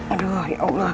aduh ya allah